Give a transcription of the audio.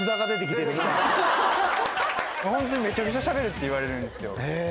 ホントにめちゃくちゃしゃべるって言われるんです。